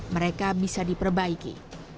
mereka bisa diperbaiki